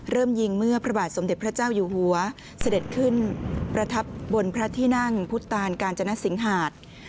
เริ่มยิงเมื่อพระบาทสมเด็จพระเจ้าอยู่หัวเสด็จขึ้นประทับบนพระที่นั่งพุทธตานกาญจนสิงหาด